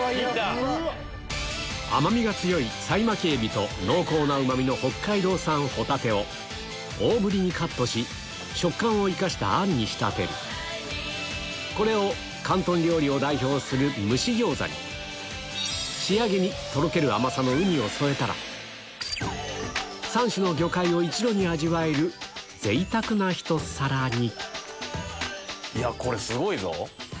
甘みが強い才巻海老と濃厚なうまみの北海道産ホタテを大ぶりにカットし食感を生かしたあんに仕立てるこれを広東料理を代表する蒸し餃子に仕上げにとろける甘さの３種の魚介を一度に味わえる贅沢なひと皿にこれすごいぞ。